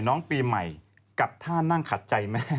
น้องปีใหม่กับท่านั่งขัดใจแม่